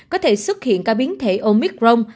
có thể xuất hiện ca biến thể omicron